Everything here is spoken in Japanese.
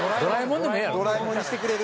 『ドラえもん』にしてくれる？